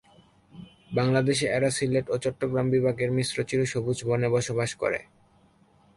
বাংলাদেশে এরা সিলেট ও চট্টগ্রাম বিভাগের মিশ্র চিরসবুজ বনে বসবাস করে।